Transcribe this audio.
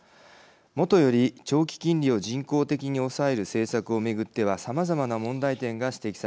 もとより長期金利を人工的に抑える政策を巡ってはさまざまな問題点が指摘されていました。